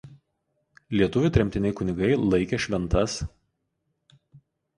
Lietuvių tremtiniai kunigai laikė šv.